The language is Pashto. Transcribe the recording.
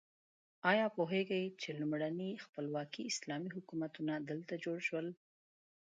ایا پوهیږئ چې لومړني خپلواکي اسلامي حکومتونه دلته جوړ شول؟